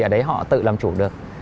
ở đấy họ tự làm chủ được